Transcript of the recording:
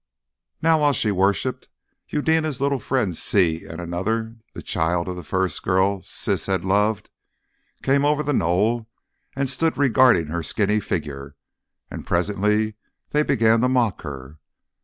Now while she worshipped, Eudena's little friend Si and another, the child of the first girl Siss had loved, came over the knoll and stood regarding her skinny figure, and presently they began to mock her.